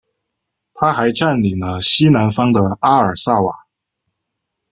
他还占领了西南方的阿尔萨瓦。